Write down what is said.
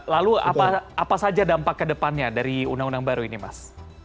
lalu apa saja dampak ke depannya dari undang undang baru ini mas